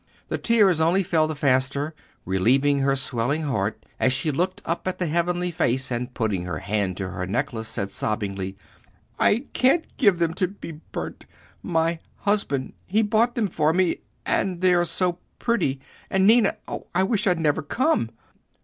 The tears only fell the faster, relieving her swelling heart, as she looked up at the heavenly face, and, putting her hand to her necklace, said sobbingly— "I can't give them to be burnt. My husband—he bought them for me—and they are so pretty—and Ninna—oh, I wish I'd never come!"